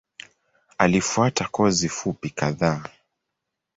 Alifuata kozi fupi kadhaa.